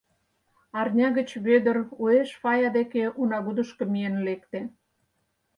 Арня гыч Вӧдыр уэш Фая деке унагудышко миен лекте.